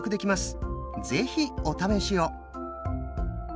是非お試しを！